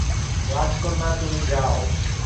রাজকন্যা, তুমি যাও।